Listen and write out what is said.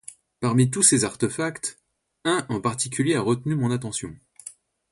Parmi tous ces artefacts, un en particulier a retenu mon attention.